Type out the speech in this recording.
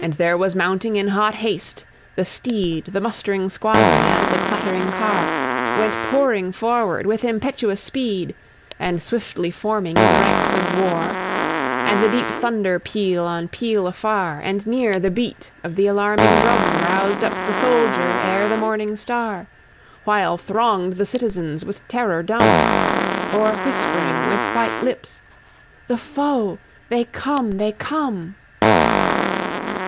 And there was mounting in hot haste: the steed, The mustering squadron, and the clattering car, Went pouring forward with impetuous speed, And swiftly forming in the ranks of war; And the deep thunder peal on peal afar; And near, the beat of the alarming drum Roused up the soldier ere the morning star; While thronged the citizens with terror dumb, Or whispering with white lips, "The foe! They come! They come!"